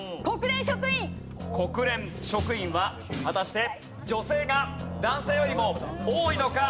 国連職員は果たして女性が男性よりも多いのか？